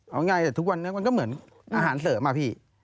เอาง่ายแต่ทุกวันนี้มันก็เหมือนอาหารเสริมอะพี่